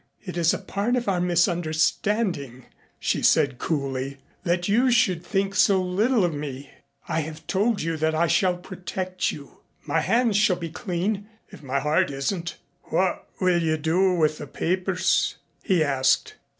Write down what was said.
"It is a part of our misunderstanding," she said coolly, "that you should think so little of me. I have told you that I shall protect you. My hands shall be clean, if my heart isn't." "What will you do with the papers?" he asked.